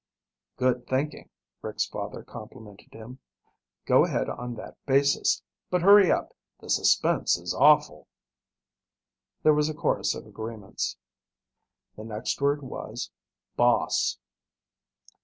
"Good thinking," Rick's father complimented him. "Go ahead on that basis. But hurry up. The suspense is awful." There was a chorus of agreements. The next word was "boss."